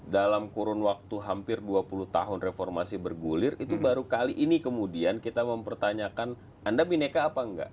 dalam kurun waktu hampir dua puluh tahun reformasi bergulir itu baru kali ini kemudian kita mempertanyakan anda bineka apa enggak